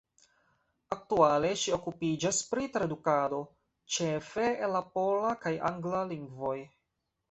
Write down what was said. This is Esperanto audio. Aktuale ŝi okupiĝas pri tradukado, ĉefe el la pola kaj angla lingvoj.